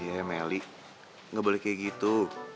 ya melly nggak boleh kayak gitu